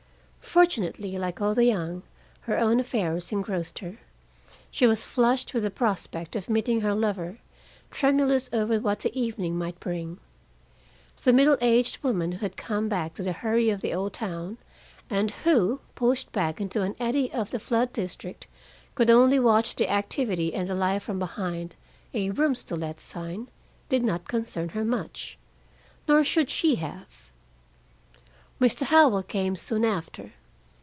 Fortunately, like all the young, her own affairs engrossed her. She was flushed with the prospect of meeting her lover, tremulous over what the evening might bring. The middle aged woman who had come back to the hurry of the old town, and who, pushed back into an eddy of the flood district, could only watch the activity and the life from behind a "Rooms to Let" sign, did not concern her much. Nor should she have. Mr. Howell came soon after.